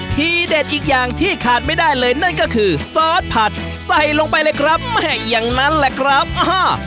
ทีเด็ดอีกอย่างที่ขาดไม่ได้เลยนั่นก็คือซอสผัดใส่ลงไปเลยครับแม่อย่างนั้นแหละครับอ่า